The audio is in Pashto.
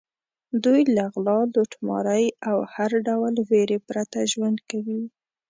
دوی له غلا، لوټمارۍ او هر ډول وېرې پرته ژوند کوي.